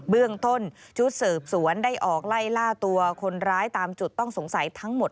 เบื้องต้นชุดสืบสวนได้ออกไล่ล่าตัวคนร้ายตามจุดต้องสงสัยทั้งหมด